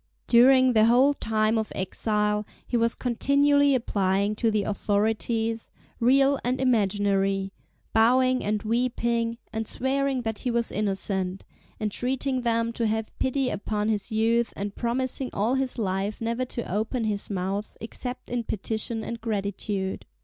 During the whole time of exile he was continually applying to the authorities, real and imaginary, bowing, and weeping, and swearing that he was innocent, entreating them to have pity upon his youth, and promising all his life never to open his mouth except in petition and gratitude.